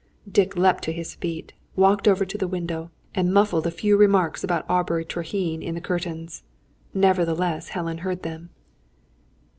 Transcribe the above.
Dick leapt to his feet, walked over to the window, and muffled a few remarks about Aubrey Treherne, in the curtains. Nevertheless Helen heard them.